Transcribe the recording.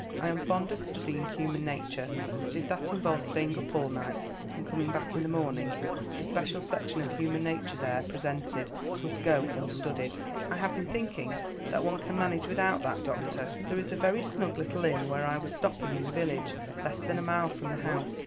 I am fond of studying human nature, but if that involves staying up all night and coming back in the morning, the special section of human nature there presented must go unstudied." "I have been thinking that one can manage without that, doctor. There is a very snug little inn where I was stopping in the village, less than a mile from the house.